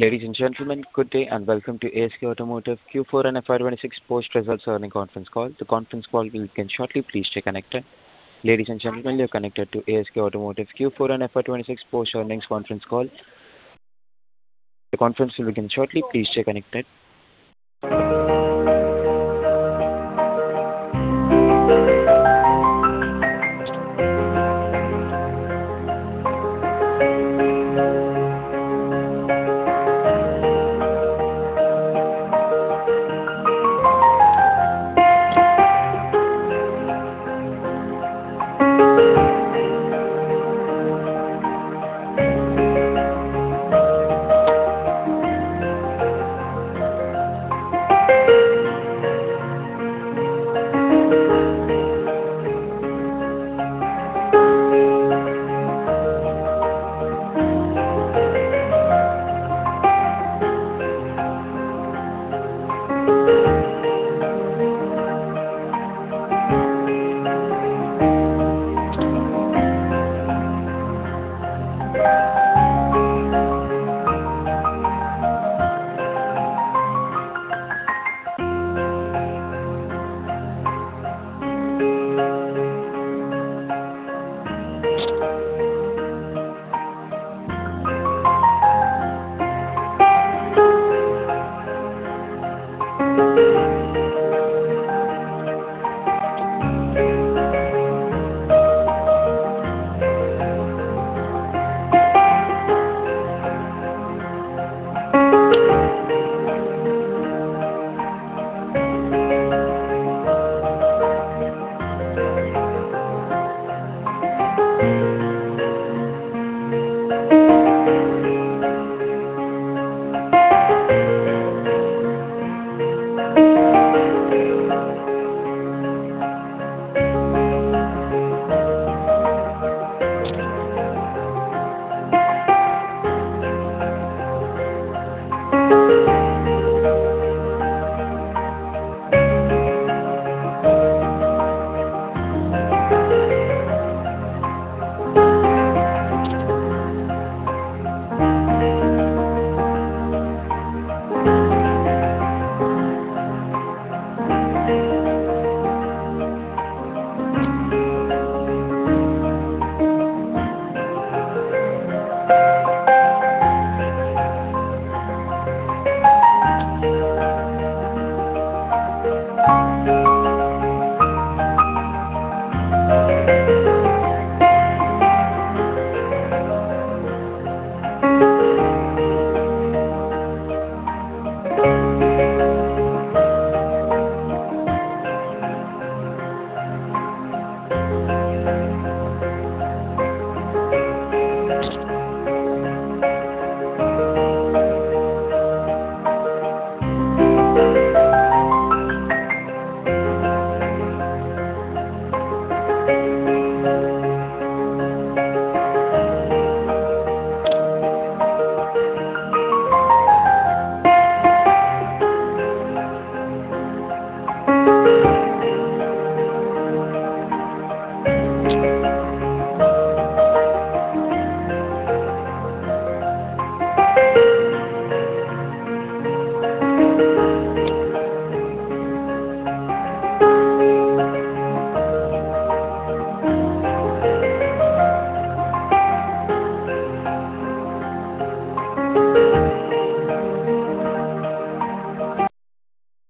Ladies and gentlemen, good day, and welcome to ASK Automotive Q4 and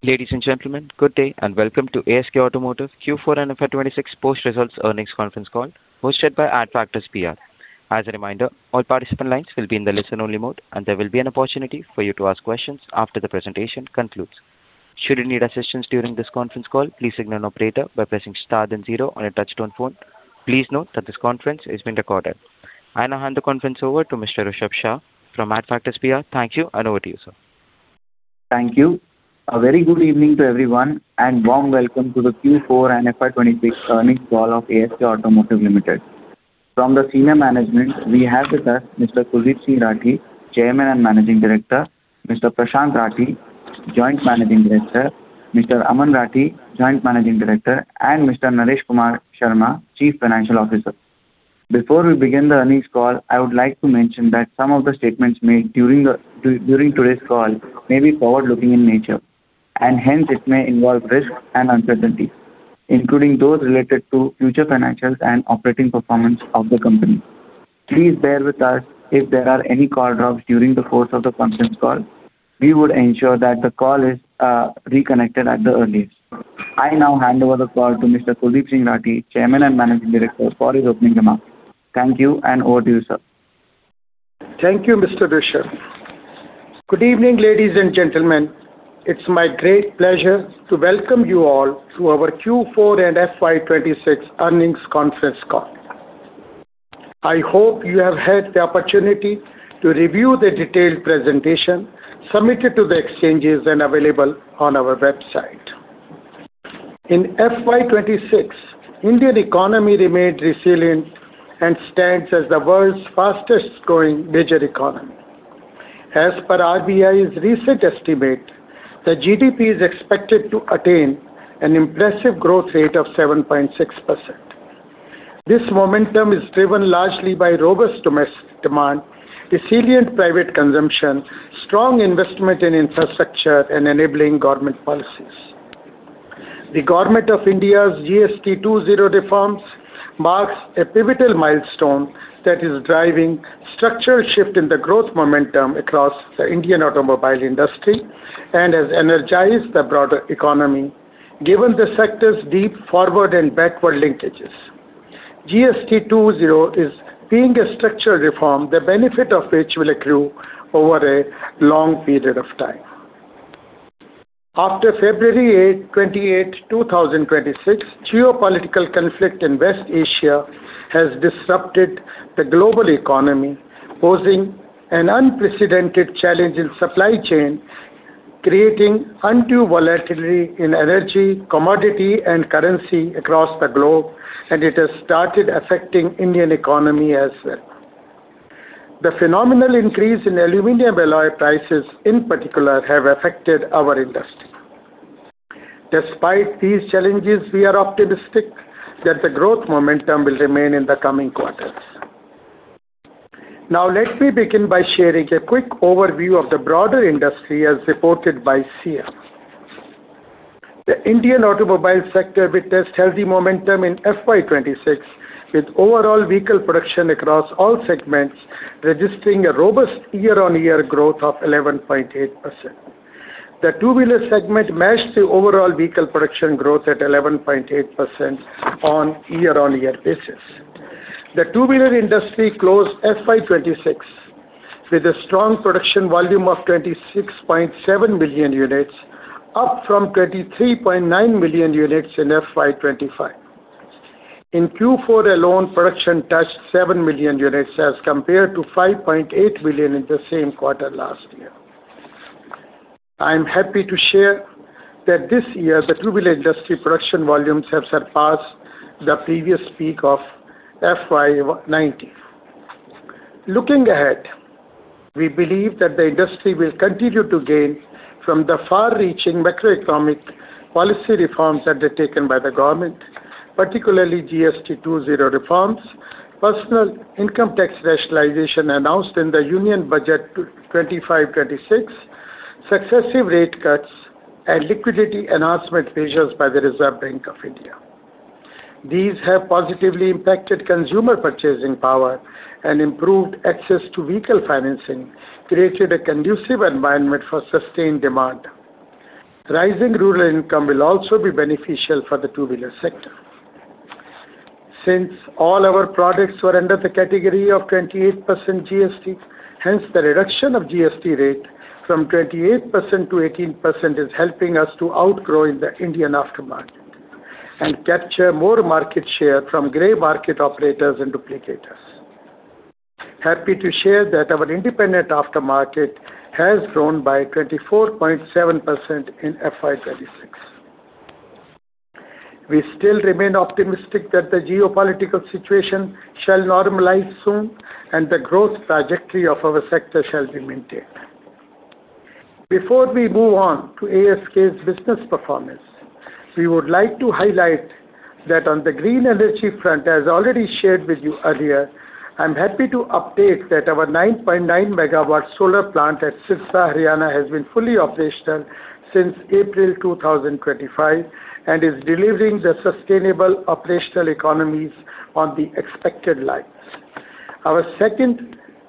FY 2026 post results Earnings Conference call hosted by Adfactors PR. As a reminder, all participant lines will be in the listen-only mode, and there will be an opportunity for you to ask questions after the presentation concludes. Should you need assistance during this conference call, please signal an operator by pressing star 0 on your touchtone phone. Please note that this conference is being recorded. I now hand the conference over to Mr. Rushabh Shah from Adfactors PR. Thank you and over to you, sir. Thank you. A very good evening to everyone, and warm welcome to the Q4 and FY 2026 earnings call of ASK Automotive Limited. From the senior management, we have with us Mr. Kuldip Singh Rathee, Chairman and Managing Director, Mr. Prashant Rathee, Joint Managing Director, Mr. Aman Rathee, Joint Managing Director, and Mr. Naresh Kumar Sharma, Chief Financial Officer. Before we begin the earnings call, I would like to mention that some of the statements made during today's call may be forward-looking in nature, and hence it may involve risks and uncertainties, including those related to future financials and operating performance of the company. Please bear with us if there are any call drops during the course of the conference call. We would ensure that the call is reconnected at the earliest. I now hand over the call to Mr. Kuldip Singh Rathee, Chairman and Managing Director, for his opening remarks. Thank you, and over to you, sir. Thank you, Mr. Rushabh. Good evening, ladies and gentlemen. It's my great pleasure to welcome you all to our Q4 and FY 2026 earnings conference call. I hope you have had the opportunity to review the detailed presentation submitted to the exchanges and available on our website. In FY 2026, Indian economy remained resilient and stands as the world's fastest-growing major economy. As per RBI's recent estimate, the GDP is expected to attain an impressive growth rate of 7.6%. This momentum is driven largely by robust domestic demand, resilient private consumption, strong investment in infrastructure, and enabling Government policies. The Government of India's GST 2.0 reforms marks a pivotal milestone that is driving structural shift in the growth momentum across the Indian automobile industry and has energized the broader economy, given the sector's deep forward and backward linkages. GST 2.0 is being a structural reform, the benefit of which will accrue over a long period of time. After February 8, 28, 2026, geopolitical conflict in West Asia has disrupted the global economy, posing an unprecedented challenge in supply chain, creating undue volatility in energy, commodity, and currency across the globe. It has started affecting Indian economy as well. The phenomenal increase in aluminum alloy prices, in particular, have affected our industry. Despite these challenges, we are optimistic that the growth momentum will remain in the coming quarters. Now, let me begin by sharing a quick overview of the broader industry as reported by SIAM. The Indian automobile sector witnessed healthy momentum in FY 2026, with overall vehicle production across all segments registering a robust year-on-year growth of 11.8%. The two-wheeler segment matched the overall vehicle production growth at 11.8% on year-on-year basis. The two-wheeler industry closed FY 2026 with a strong production volume of 26.7 million units, up from 23.9 million units in FY 2025. In Q4 alone, production touched seven million units as compared to 5.8 million in the same quarter last year. I am happy to share that this year the two-wheeler industry production volumes have surpassed the previous peak of FY 2019. Looking ahead, we believe that the industry will continue to gain from the far-reaching macroeconomic policy reforms undertaken by the Government of India, particularly GST 2.0 reforms, personal income tax rationalization announced in the union budget 2025/2026, successive rate cuts and liquidity enhancement measures by the Reserve Bank of India. These have positively impacted consumer purchasing power and improved access to vehicle financing, created a conducive environment for sustained demand. Rising rural income will also be beneficial for the two-wheeler sector. Since all our products were under the category of 28% GST, hence the reduction of GST rate from 28% to 18% is helping us to outgrow in the Indian aftermarket and capture more market share from gray market operators and duplicators. Happy to share that our independent aftermarket has grown by 24.7% in FY 2026. We still remain optimistic that the geopolitical situation shall normalize soon and the growth trajectory of our sector shall be maintained. Before we move on to ASK's business performance, we would like to highlight that on the green energy front, as already shared with you earlier, I'm happy to update that our 9.9 MW solar plant at Sirsa, Haryana has been fully operational since April 2025 and is delivering the sustainable operational economies on the expected lines. Our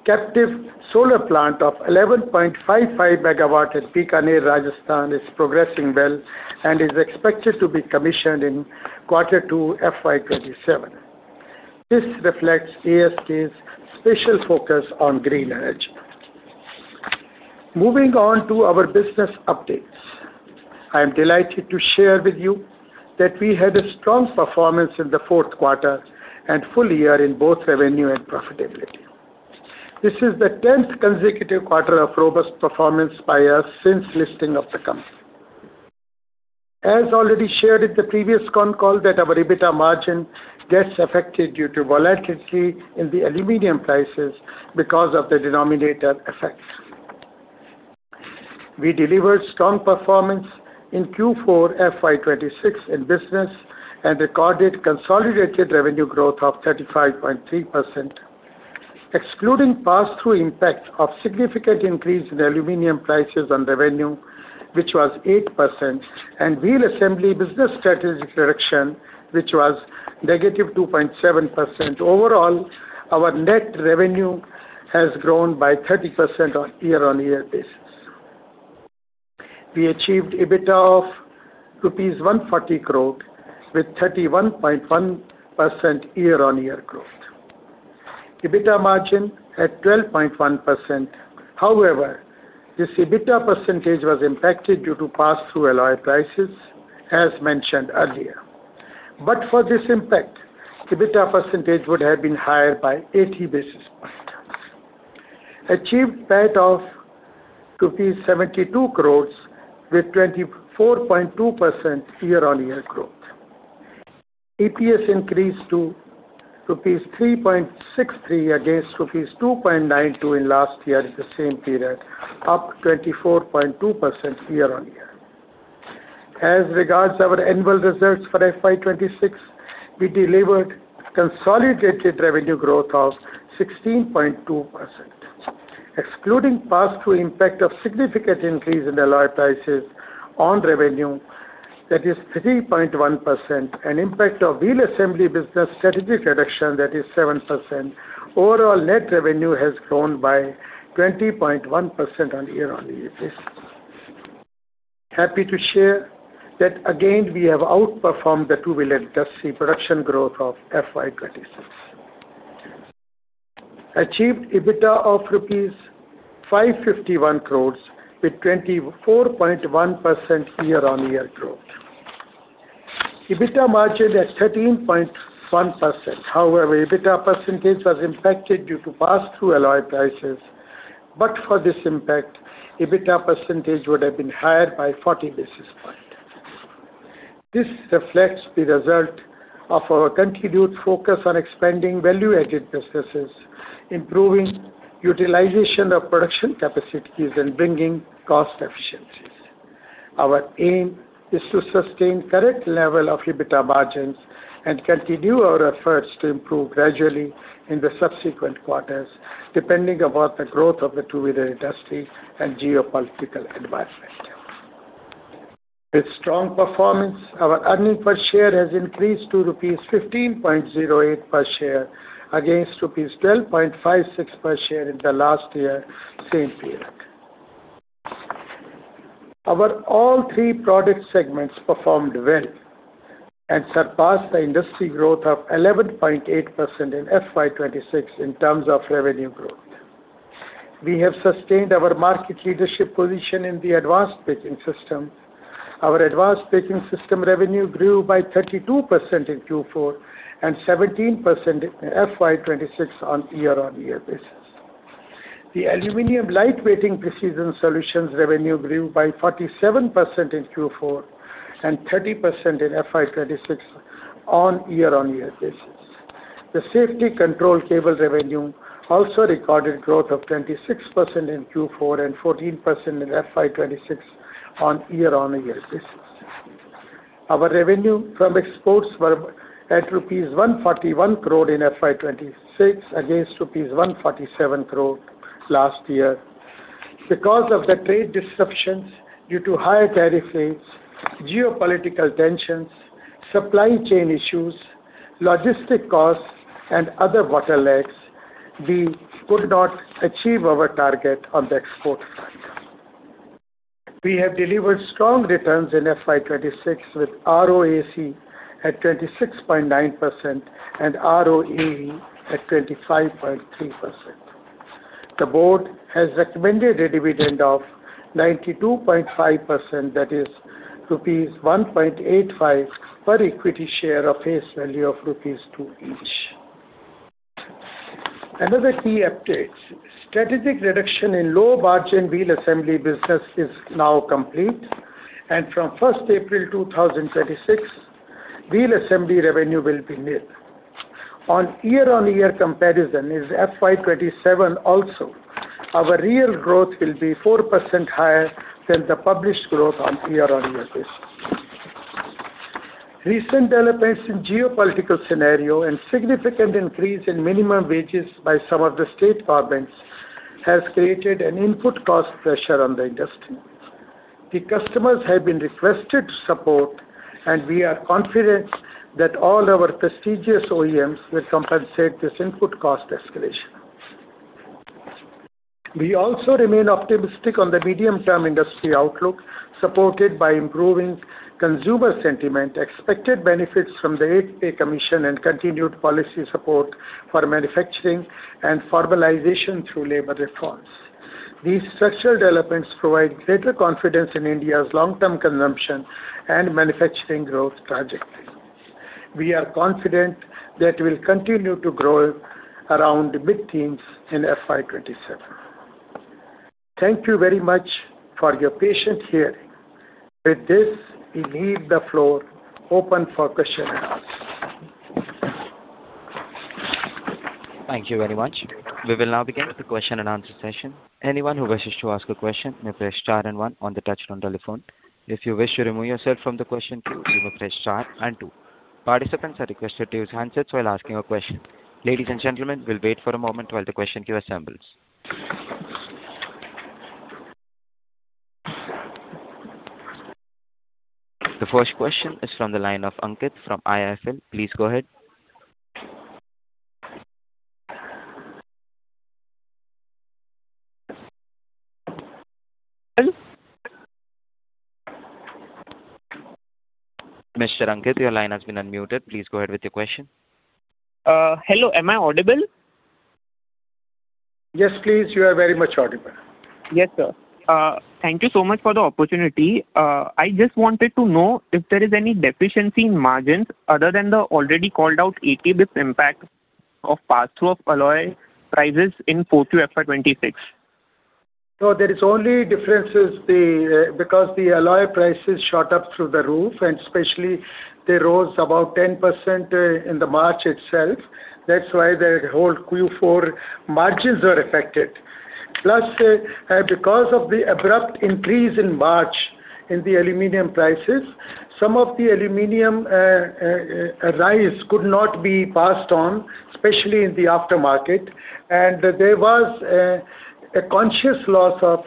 second captive solar plant of 11.55 MW at Bikaner, Rajasthan is progressing well and is expected to be commissioned in Q2 FY 2027. This reflects ASK's special focus on green energy. Moving on to our business updates. I am delighted to share with you that we had a strong performance in the fourth quarter and full year in both revenue and profitability. This is the 10th consecutive quarter of robust performance by us since listing of the company. As already shared at the previous con call that our EBITDA margin gets affected due to volatility in the aluminum prices because of the denominator effects. We delivered strong performance in Q4 FY 2026 in business and recorded consolidated revenue growth of 35.3%. Excluding pass-through impact of significant increase in aluminum prices on revenue, which was 8%, and wheel assembly business strategic reduction, which was negative 2.7%. Overall, our net revenue has grown by 30% on year-on-year basis. We achieved EBITDA of rupees 140 crore with 31.1% year-on-year growth. EBITDA margin at 12.1%. However, this EBITDA percentage was impacted due to pass-through alloy prices, as mentioned earlier. For this impact, EBITDA percentage would have been higher by 80 basis points. Achieved PAT of rupees 72 crores with 24.2% year-on-year growth. EPS increased to rupees 3.63 against rupees 2.92 in last year at the same period, up 24.2% year-on-year. As regards our annual results for FY 2026, we delivered consolidated revenue growth of 16.2%. Excluding pass-through impact of significant increase in alloy prices on revenue, that is 3.1%, and impact of wheel assembly business strategic reduction, that is 7%, overall net revenue has grown by 20.1% on year-on-year basis. Happy to share that again, we have outperformed the two-wheeler industry production growth of FY 2026. Achieved EBITDA of rupees 551 crores with 24.1% year-on-year growth. EBITDA margin at 13.1%. However, EBITDA percentage was impacted due to pass-through alloy prices. For this impact, EBITDA percentage would have been higher by 40 basis points. This reflects the result of our continued focus on expanding value-added businesses, improving utilization of production capacities, and bringing cost efficiencies. Our aim is to sustain current level of EBITDA margins and continue our efforts to improve gradually in the subsequent quarters, depending upon the growth of the two-wheeler industry and geopolitical environment. With strong performance, our EPS has increased to rupees 15.08 per share against rupees 12.56 per share in the last year same period. Our all three product segments performed well and surpassed the industry growth of 11.8% in FY 2026 in terms of revenue growth. We have sustained our market leadership position in the Advanced Braking Systems. Our Advanced Braking Systems revenue grew by 32% in Q4 and 17% in FY 2026 on year-on-year basis. The Aluminum Lightweighting Precision Solutions revenue grew by 47% in Q4 and 30% in FY 2026 on year-on-year basis. The Safety Control Cables revenue also recorded growth of 26% in Q4 and 14% in FY 2026 on year-on-year basis. Our revenue from exports were at rupees 141 crore in FY 2026 against rupees 147 crore last year. Because of the trade disruptions due to higher tariff rates, geopolitical tensions, supply chain issues, logistic costs, and other bottlenecks, we could not achieve our target on the export front. We have delivered strong returns in FY 2026 with ROAC at 26.9% and ROAE at 25.3%. The board has recommended a dividend of 92.5%, that is rupees 1.85 per equity share of face value of rupees 2 each. Another key updates. Strategic reduction in low-margin wheel assembly business is now complete, and from 1st April 2026, wheel assembly revenue will be nil. On year-on-year comparison in FY 2027 also, our real growth will be 4% higher than the published growth on year-on-year basis. Recent developments in geopolitical scenario and significant increase in minimum wages by some of the state governments has created an input cost pressure on the industry. The customers have been requested to support, and we are confident that all our prestigious OEMs will compensate this input cost escalation. We also remain optimistic on the medium-term industry outlook, supported by improving consumer sentiment, expected benefits from the Eighth Pay Commission, and continued policy support for manufacturing and formalization through labor reforms. These structural developments provide greater confidence in India's long-term consumption and manufacturing growth trajectory. We are confident that we'll continue to grow around the mid-teens in FY 2027. Thank you very much for your patient hearing. With this, we leave the floor open for question and answer. Thank you very much. We will now begin with the question and answer session. Anyone who wishes to ask a question may press star and one on the touchtone telephone. If you wish to remove yourself from the question queue, you may press star and two. Participants are requested to use handsets while asking a question. Ladies and gentlemen, we will wait for a moment while the question queue assembles. The first question is from the line of Ankit from IIFL. Please go ahead. Mr. Ankit, your line has been unmuted. Please go ahead with your question. Hello, am I audible? Yes, please. You are very much audible. Yes, sir. Thank you so much for the opportunity. I just wanted to know if there is any deficiency in margins other than the already called out EBITDA impact of pass-through of alloy prices in full to FY 2026. No, there is only differences the, because the alloy prices shot up through the roof, and especially they rose about 10%, in the March itself. That's why the whole Q4 margins are affected. Plus, because of the abrupt increase in March in the aluminum prices, some of the aluminum, rise could not be passed on, especially in the aftermarket. There was a conscious loss of,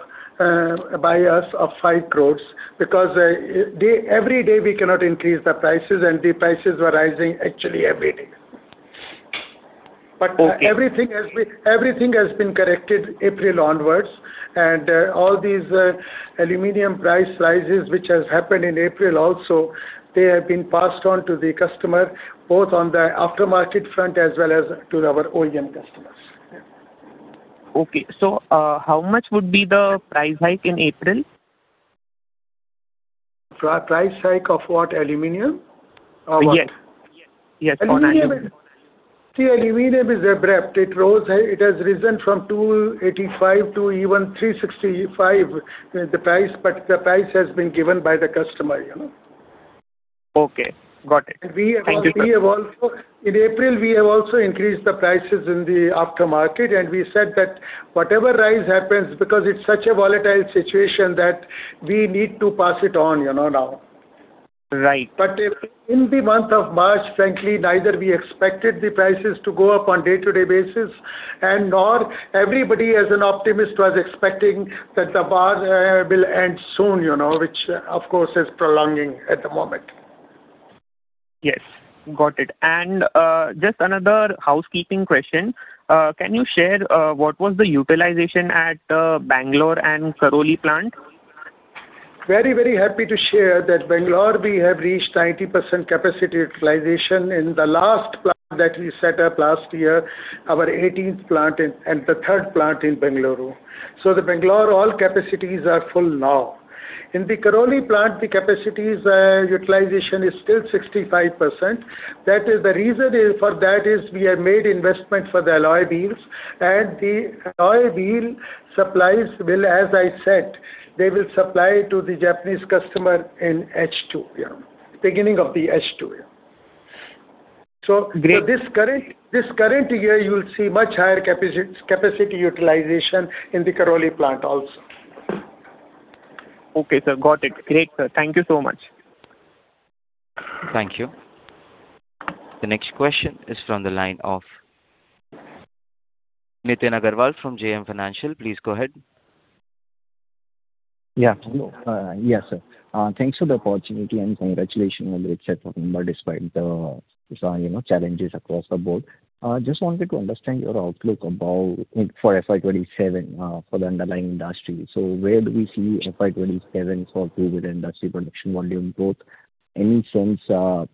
by us of 5 crores because, every day we cannot increase the prices and the prices were rising actually every day. Everything has been corrected April onwards. All these aluminum price rises which has happened in April also, they have been passed on to the customer, both on the aftermarket front as well as to our OEM customers. Yeah. Okay. How much would be the price hike in April? Price hike of what? Aluminum or what? Yes. Yes, on aluminum. Aluminum. See, aluminum is abrupt. It has risen from 285 to even 365, the price, but the price has been given by the customer, you know. Okay. Got it. We have al- Thank you, sir. In April, we have also increased the prices in the aftermarket, and we said that whatever rise happens, because it's such a volatile situation, that we need to pass it on, you know now. Right. In the month of March, frankly, neither we expected the prices to go up on day-to-day basis and nor everybody as an optimist was expecting that the war will end soon, you know, which of course is prolonging at the moment. Yes. Got it. Just another housekeeping question. Can you share, what was the utilization at, Bangalore and Karoli plant? Very happy to share that Bangalore we have reached 90% capacity utilization in the last plant that we set up last year, our 18th plant and the third plant in Bengaluru. The Bangalore, all capacities are full now. In the Karoli plant, the capacities utilization is still 65%. That is, the reason is, for that is we have made investment for the alloy wheels, and the alloy wheel supplies will, as I said, they will supply to the Japanese customer in H2, yeah, beginning of the H2, yeah. This current year, you will see much higher capacity utilization in the Karoli plant also. Okay, sir. Got it. Great, sir. Thank you so much. Thank you. The next question is from the line of Nitin Agrawal from JM Financial. Please go ahead. Yeah. Hello. Yes, sir. Thanks for the opportunity and congratulations on the good performance despite the, you know, challenges across the board. Just wanted to understand your outlook for FY 2027 for the underlying industry. Where do we see FY 2027 for two-wheeler industry production volume growth? Any sense, are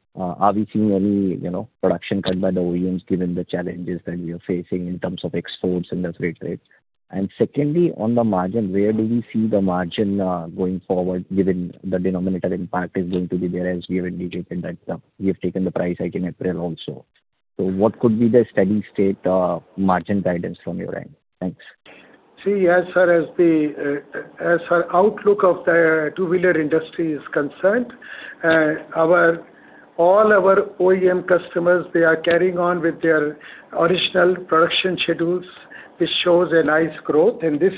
we seeing any, you know, production cut by the OEMs given the challenges that you're facing in terms of exports and the freight rates? Secondly, on the margin, where do we see the margin going forward given the denominator impact is going to be there, as you have indicated that you have taken the price hike in April also. What could be the steady state margin guidance from your end? Thanks. As far as the outlook of the two-wheeler industry is concerned, our, all our OEM customers, they are carrying on with their original production schedules, which shows a nice growth in this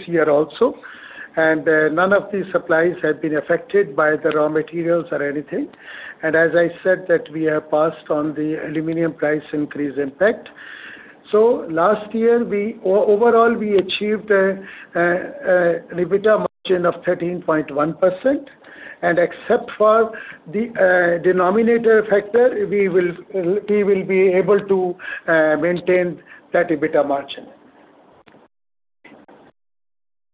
year also. None of the supplies have been affected by the raw materials or anything. As I said that we have passed on the aluminum price increase impact. Last year we overall, we achieved EBITDA margin of 13.1%. Except for the denominator factor, we will be able to maintain that EBITDA margin.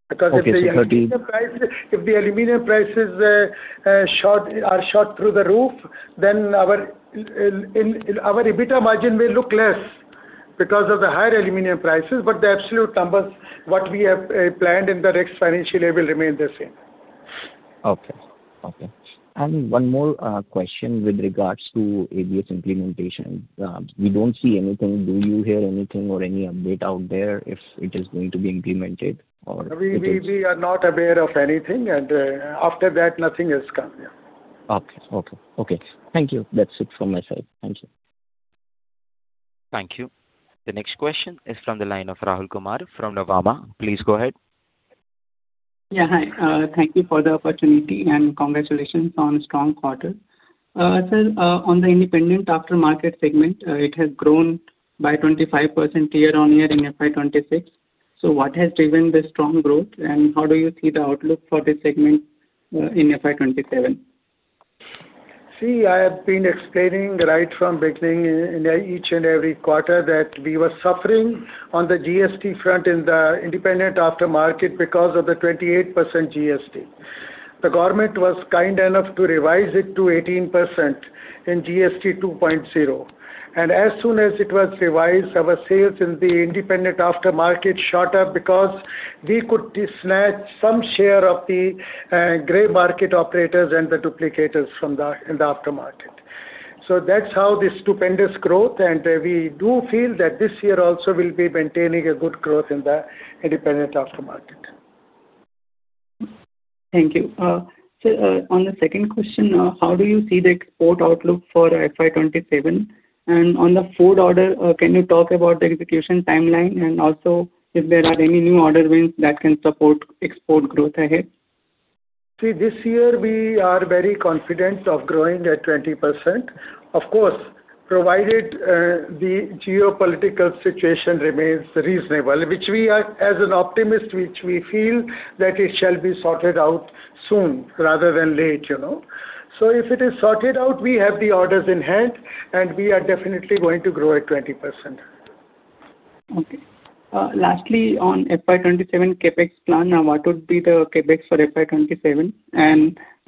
If the aluminum prices shot through the roof, then in our EBITDA margin may look less because of the higher aluminum prices. The absolute numbers, what we have planned in the next financial year will remain the same. Okay. Okay. One more question with regards to ABS implementation. We don't see anything. Do you hear anything or any update out there if it is going to be implemented? We are not aware of anything, and after that nothing has come yet. Okay. Okay. Okay. Thank you. That's it from my side. Thank you. Thank you. The next question is from the line of Rahul Kumar from Nuvama. Please go ahead. Yeah, hi. Thank you for the opportunity, and congratulations on strong quarter. Sir, on the independent aftermarket segment, it has grown by 25% year-over-year in FY 2026. What has driven the strong growth, and how do you see the outlook for this segment in FY 2027? See, I have been explaining right from beginning, each and every quarter that we were suffering on the GST front in the independent aftermarket because of the 28% GST. The Government was kind enough to revise it to 18% in GST 2.0. As soon as it was revised, our sales in the independent aftermarket shot up because we could snatch some share of the gray market operators and the duplicators from the, in the aftermarket. That's how the stupendous growth, and we do feel that this year also we'll be maintaining a good growth in the independent aftermarket. Thank you. On the second question, how do you see the export outlook for FY 2027? On the Ford order, can you talk about the execution timeline, and also if there are any new order wins that can support export growth ahead? This year we are very confident of growing at 20%. Of course, provided, the geopolitical situation remains reasonable, which we are as an optimist, which we feel that it shall be sorted out soon rather than late, you know. If it is sorted out, we have the orders in hand, and we are definitely going to grow at 20%. Okay. Lastly, on FY 2027 CapEx plan, what would be the CapEx for FY 2027?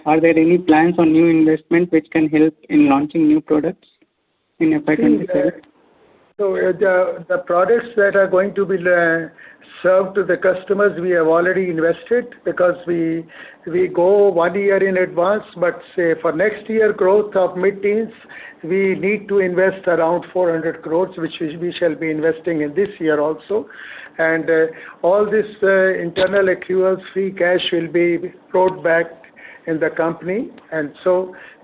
Are there any plans on new investment which can help in launching new products in FY 2027? The products that are going to be served to the customers, we have already invested because we go one year in advance. Say for next year growth of mid-teens, we need to invest around 400 crores, which we shall be investing in this year also. All this internal accrual free cash will be brought back in the company.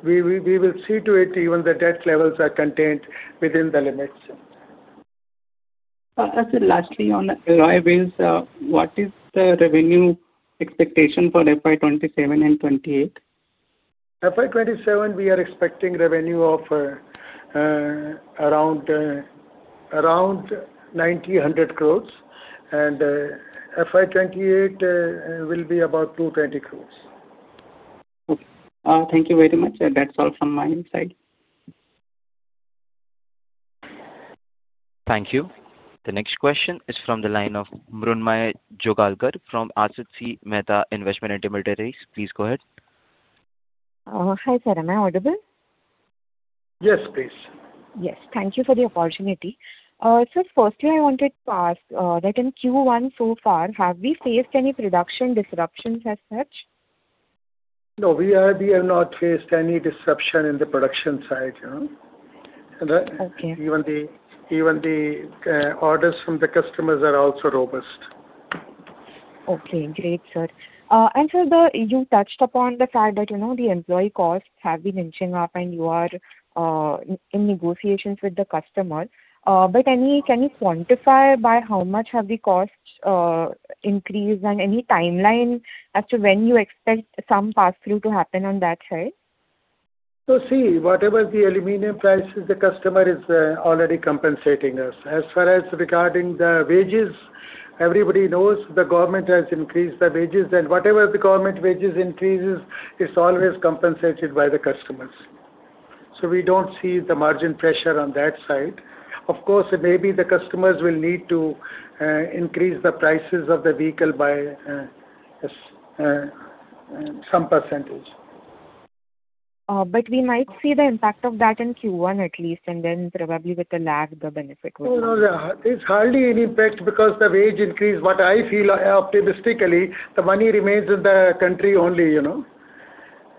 We will see to it even the debt levels are contained within the limits. Sir, lastly on alloy wheels, what is the revenue expectation for FY 2027 and 2028? FY 2027 we are expecting revenue of around 90 crores-100 crores. FY 2028 will be about 220 crores. Okay. Thank you very much. That is all from my end side. Thank you. The next question is from the line of Mrunmayee Joglekar from Asit C. Mehta Investment Intermediates. Please go ahead. Hi, sir. Am I audible? Yes, please. Yes. Thank you for the opportunity. Sir, firstly I wanted to ask, that in Q1 so far, have we faced any production disruptions as such? No, we have not faced any disruption in the production side, you know. Even the orders from the customers are also robust. Okay. Great, sir. You touched upon the fact that, you know, the employee costs have been inching up and you are in negotiations with the customers. Can you quantify by how much have the costs increased and any timeline as to when you expect some pass-through to happen on that side? See, whatever the aluminum price is, the customer is already compensating us. As far as regarding the wages, everybody knows the government has increased the wages, and whatever the government wages increases, it's always compensated by the customers. We don't see the margin pressure on that side. Of course, maybe the customers will need to increase the prices of the vehicle by some percentage. We might see the impact of that in Q1 at least, and then probably with a lag the benefit will come. No, there's hardly any impact because the wage increase, what I feel optimistically, the money remains in the country only, you know.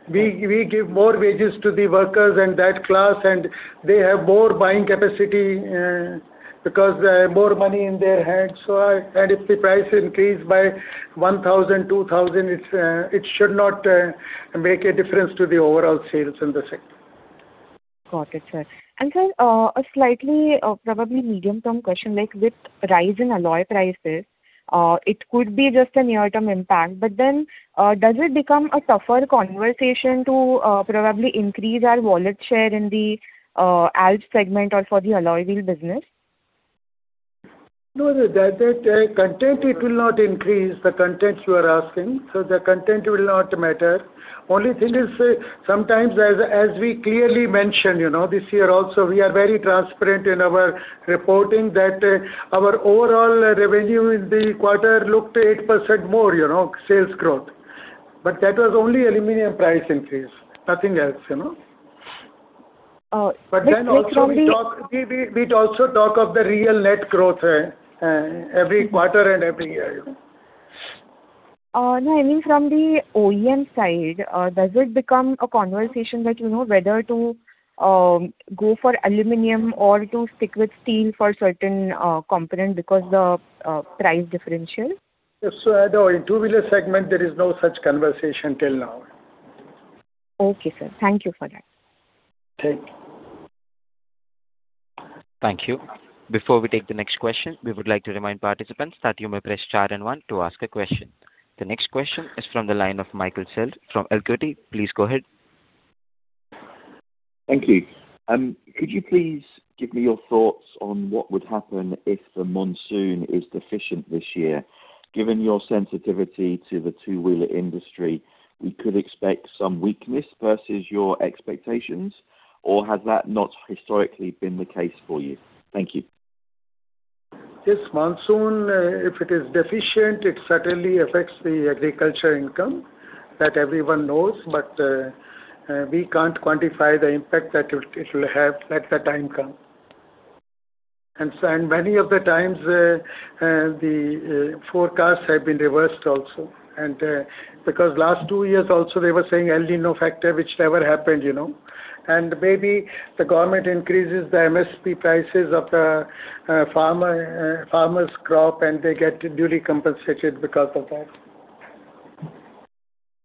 We give more wages to the workers and that class, they have more buying capacity because they have more money in their hands. If the price increased by 1,000, 2,000, it should not make a difference to the overall sales in the sector. Got it, sir. Sir, a slightly, probably medium-term question, like with rise in alloy prices, it could be just a near-term impact, does it become a tougher conversation to probably increase our wallet share in the ALPS segment or for the alloy wheel business? No, the content it will not increase, the content you are asking. The content will not matter. Only thing is sometimes as we clearly mentioned, you know, this year also we are very transparent in our reporting that our overall revenue in the quarter looked 8% more, you know, sales growth. That was only aluminum price increase, nothing else, you know. Uh, like, like from the- We'd also talk of the real net growth every quarter and every year. No, I mean from the OEM side, does it become a conversation that, you know, whether to go for aluminum or to stick with steel for certain, component because the price differential? Yes. In two-wheeler segment there is no such conversation till now. Okay, sir. Thank you for that. Thank you. Thank you. Before we take the next question, we would like to remind participants that you may press star and one to ask a question. The next question is from the line of Michael Schultz from Equity. Please go ahead. Thank you. Could you please give me your thoughts on what would happen if the monsoon is deficient this year? Given your sensitivity to the two-wheeler industry, we could expect some weakness versus your expectations, or has that not historically been the case for you? Thank you. Yes. Monsoon, if it is deficient, it certainly affects the agriculture income that everyone knows. We can't quantify the impact that it will have at the time come. Many of the times, the forecasts have been reversed also, because last two years also they were saying El Niño factor, which never happened, you know. Maybe the government increases the MSP prices of the farmer's crop, and they get duly compensated because of that.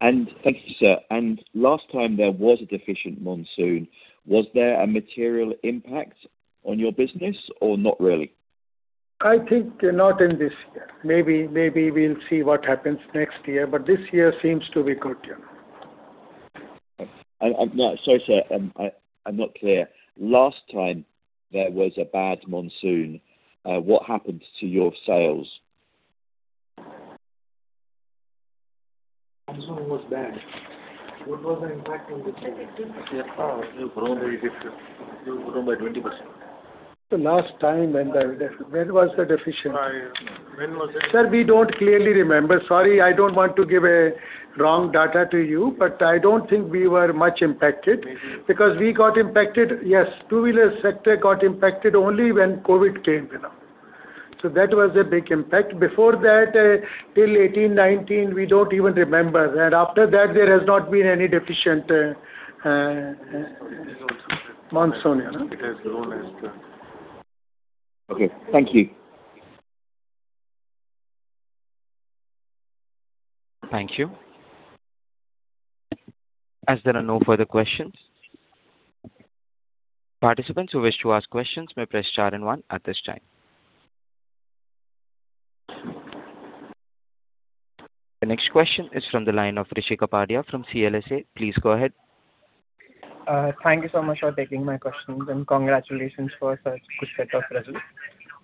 Thank you, sir. Last time there was a deficient monsoon, was there a material impact on your business or not really? I think, not in this year. Maybe we'll see what happens next year, but this year seems to be good, you know. No, sorry, sir. I'm not clear. Last time there was a bad monsoon, what happened to your sales? Monsoon was bad. What was the impact on the sales? We have grown very different. We've grown by 20%. The last time When was the deficient? When was it? Sir, we don't clearly remember. Sorry, I don't want to give a wrong data to you, but I don't think we were much impacted. Me too. Yes, two-wheeler sector got impacted only when COVID came, you know. That was a big impact. Before that, till 2018, 2019, we don't even remember. After that there has not been any deficient. It has grown after. Monsoon, you know. It has grown after. Okay, thank you. Thank you. As there are no further questions, participants who wish to ask questions may press star and one at this time. The next question is from the line of Rishi Kapadia from CLSA. Please go ahead. Thank you so much for taking my questions, and congratulations for such good set of results.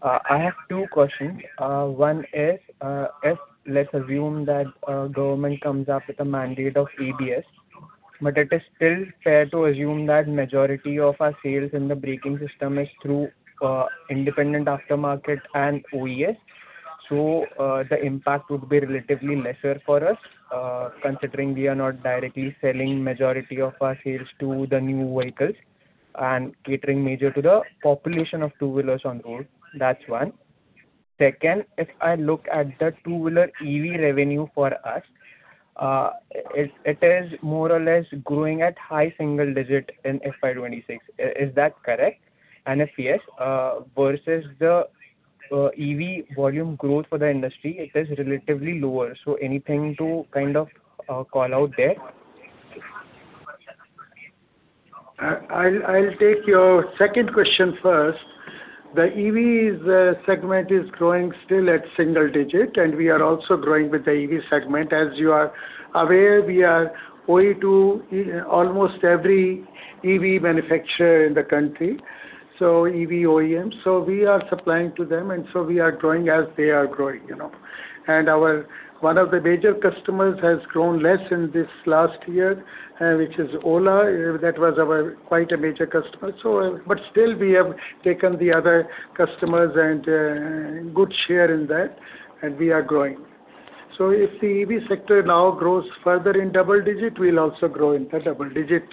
I have two questions. One is, if let's assume that Government comes up with a mandate of ABS, but it is still fair to assume that majority of our sales in the braking system is through independent aftermarket and OES. The impact would be relatively lesser for us, considering we are not directly selling majority of our sales to the new vehicles and catering major to the population of two-wheelers on road. That's one. Second, if I look at the two-wheeler EV revenue for us, it is more or less growing at high single digit in FY 2026. Is that correct? If yes, versus the EV volume growth for the industry, it is relatively lower, so anything to kind of call out there? I'll take your second question first. The EVs segment is growing still at single digit, we are also growing with the EV segment. As you are aware, we are OE to almost every EV manufacturer in the country, so EV OEMs. We are supplying to them, we are growing as they are growing, you know. Our one of the major customers has grown less in this last year, which is Ola. That was our quite a major customer. But still we have taken the other customers, good share in that, we are growing. If the EV sector now grows further in double digit, we'll also grow in the double digit.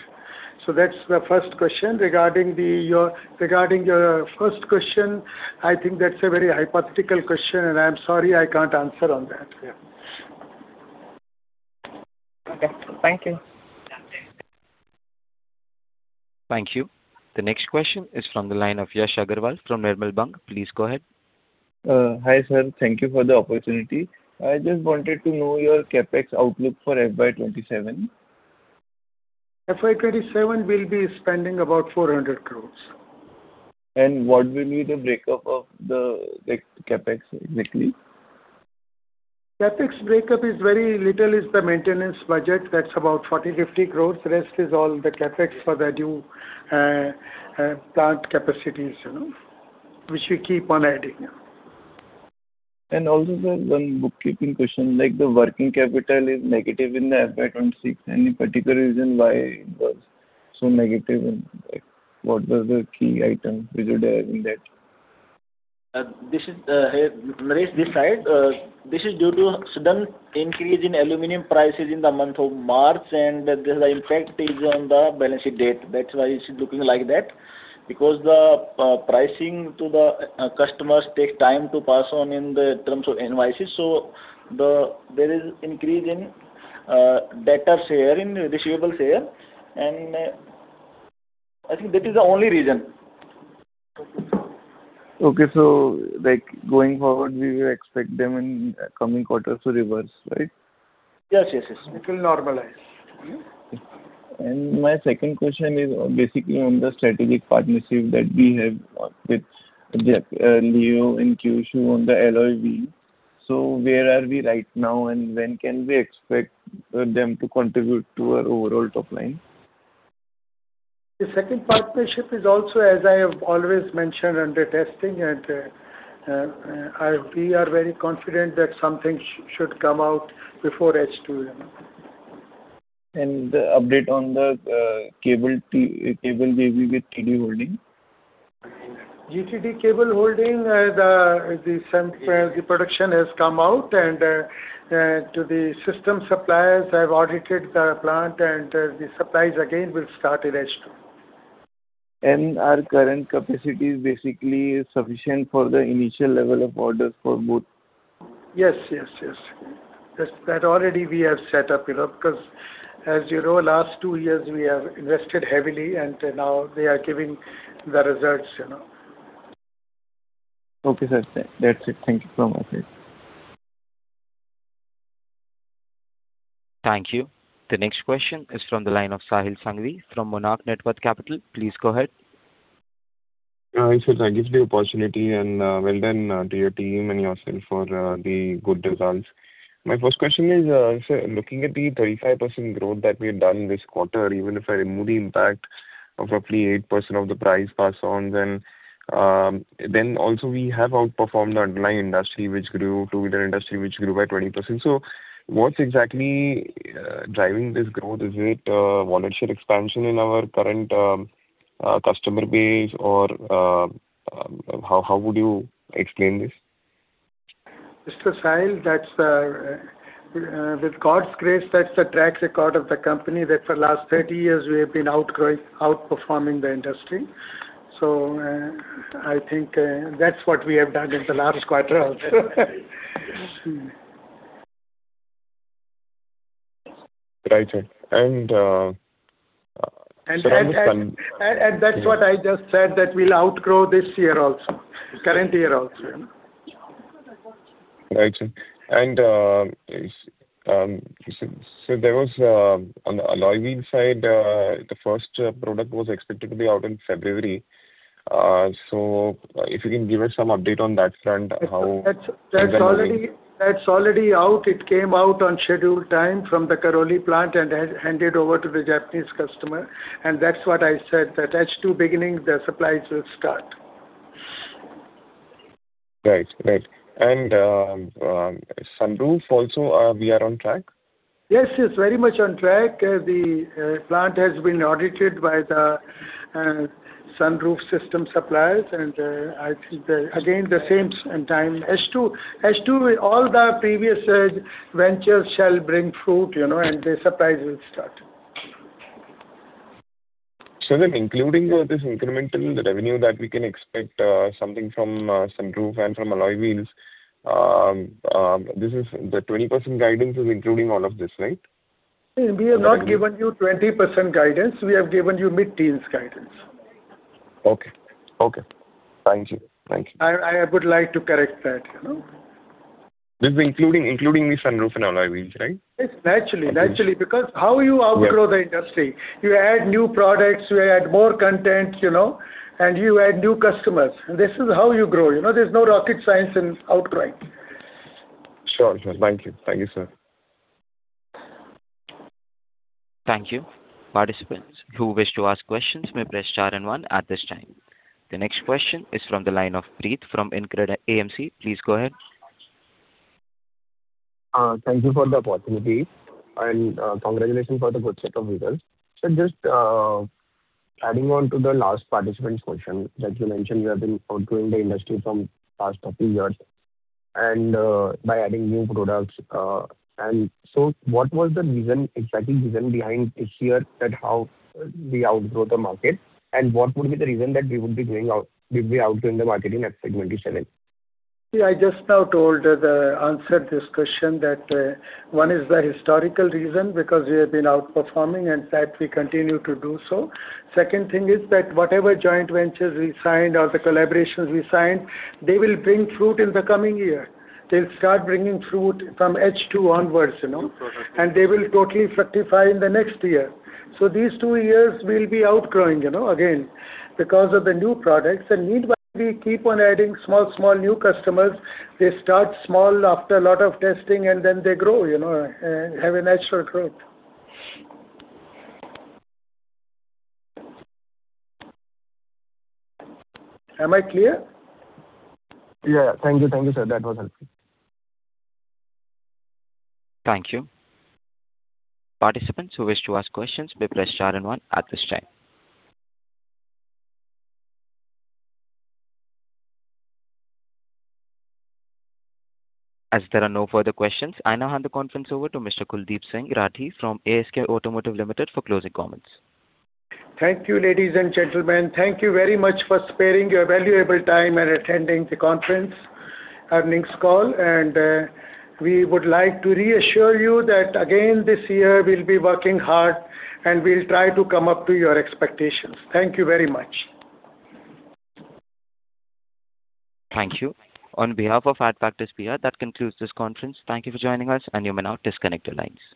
That's the first question. Regarding your first question, I think that's a very hypothetical question. I'm sorry I can't answer on that. Yeah. Okay. Thank you. Thank you. The next question is from the line of Yash Agarwal from Nirmal Bang. Please go ahead. Hi, sir. Thank you for the opportunity. I just wanted to know your CapEx outlook for FY 2027. FY 2027 we'll be spending about 400 crores. What will be the breakup of the, like, CapEx exactly? CapEx breakup is very little is the maintenance budget, that's about 40 crores, 50 crores. The rest is all the CapEx for the new plant capacities, you know, which we keep on adding. Also, sir, one bookkeeping question. Like, the working capital is negative in the FY 2026. Any particular reason why it was so negative and, like, what was the key item which was driving that? This is Naresh this side. This is due to sudden increase in aluminum prices in the month of March, and the impact is on the balancing date. That's why it's looking like that. Because the pricing to the customers take time to pass on in the terms of invoices. There is increase in debtor share, in receivable share, and I think that is the only reason. Okay. like going forward, we will expect them in coming quarters to reverse, right? Yes, yes. It will normalize. My second question is basically on the strategic partnership that we have with the Lioho and Kyushu on the alloy wheel. Where are we right now, and when can we expect them to contribute to our overall top line? The second partnership is also, as I have always mentioned, under testing and, We are very confident that something should come out before H2, you know. The update on the cable JV with T.D. Holding. T.D. Holding GMBH, the production has come out and, to the system suppliers have audited the plant and, the supplies again will start in H2. Our current capacity is basically sufficient for the initial level of orders for both? Yes, yes. That already we have set up, you know, because as you know, last two years we have invested heavily, and now they are giving the results, you know. Okay, sir. That's it. Thank you so much. Thank you. The next question is from the line of Sahil Sanghvi from Monarch Networth Capital. Please go ahead. Sir, thank you for the opportunity, well done to your team and yourself for the good results. My first question is, sir, looking at the 35% growth that we have done this quarter, even if I remove the impact of roughly 8% of the price pass-ons, then also we have outperformed the underlying industry which grew by 20%. What's exactly driving this growth? Is it market share expansion in our current customer base or how would you explain this? Mr. Sahil, that's with God's grace, that's the track record of the company that for the last 30 years we have been outperforming the industry. I think that's what we have done in the last quarter also. Right, sir. That's what I just said that we'll outgrow this year also, current year also, you know. Right, sir. There was on the alloy wheel side, the first product was expected to be out in February. If you can give us some update on that front? That's already out. It came out on scheduled time from the Karoli plant and handed over to the Japanese customer. That's what I said that H2 beginning the supplies will start. Right. Right. sunroof also, we are on track? Yes, yes, very much on track. The plant has been audited by the sunroof system suppliers. H2, all the previous ventures shall bring fruit, you know, and the supplies will start. Including all this incremental, the revenue that we can expect, something from sunroof and from alloy wheels, this is the 20% guidance is including all of this, right? We have not given you 20% guidance. We have given you mid-teens guidance. Okay. Okay. Thank you. Thank you. I would like to correct that, you know. This is including the sunroof and alloy wheels, right? Yes, naturally. Naturally. How you outgrow the industry? You add new products, you add more content, you know, and you add new customers. This is how you grow. You know, there's no rocket science in outgrowing. Sure. Thank you. Thank you, sir. Thank you. Participants who wish to ask questions may press star and one at this time. The next question is from the line of Preet from InCred AMC. Please go ahead. Thank you for the opportunity and congratulations for the good set of results. Just adding on to the last participant's question that you mentioned you have been outgrowing the industry from past a few years and by adding new products. What was the reason, exact reason behind this year that how we outgrow the market? What would be the reason that we would be outgrowing the market in next financial year? I just now told the answer this question that, one is the historical reason because we have been outperforming and that we continue to do so. Second thing is that whatever joint ventures we signed or the collaborations we signed, they will bring fruit in the coming year. They'll start bringing fruit from H2 onwards, you know. They will totally fructify in the next year. These two years we'll be outgrowing, you know, again, because of the new products. Meanwhile we keep on adding small new customers. They start small after a lot of testing and then they grow, you know, have a natural growth. Am I clear? Yeah. Thank you. Thank you, sir. That was helpful. Thank you. Participants who wish to ask questions may press star one at this time. As there are no further questions, I now hand the conference over to Mr. Kuldip Singh Rathee from ASK Automotive Limited for closing comments. Thank you, ladies and gentlemen. Thank you very much for sparing your valuable time and attending the conference earnings call. We would like to reassure you that again this year we'll be working hard and we'll try to come up to your expectations. Thank you very much. Thank you. On behalf of Adfactors PR, that concludes this conference. Thank you for joining us, and you may now disconnect your lines.